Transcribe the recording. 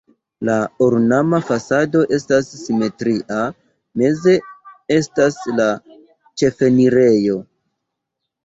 La ornama fasado estas simetria, meze estas la ĉefenirejo.